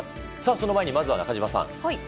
その前に、まずは中島さん。